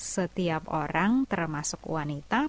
setiap orang termasuk wanita